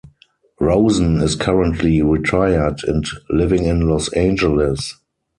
Rosen is currently retired and living in Los Angeles.